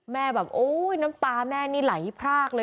แบบโอ้ยน้ำตาแม่นี่ไหลพรากเลย